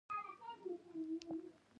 دا ډلبندي له هغه ځایه راولاړېږي.